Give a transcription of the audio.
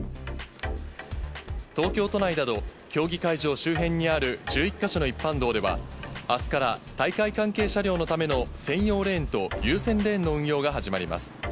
周辺にある１１か所の一般道では、あすから大会関係車両のための専用レーンと、優先レーンの運用が始まります。